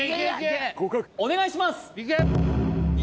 お願いします